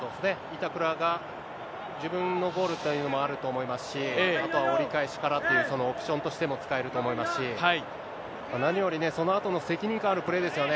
板倉が自分のボールというのもあると思いますし、あとは折り返しからという、そのオプションとしても使えると思いますし、何よりね、そのあとの責任感あるプレーですよね。